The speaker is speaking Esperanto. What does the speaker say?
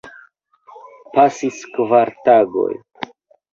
Pasis kvar tagoj.